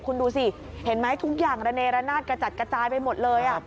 คุณดูสิเห็นไหมทุกอย่างระเนระนาดกระจัดกระจายไปหมดเลย